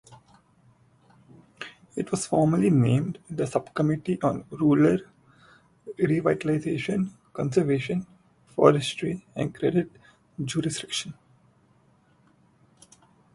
It was formerly named the Subcommittee on Rural Revitalization, Conservation, Forestry and Credit Jurisdiction.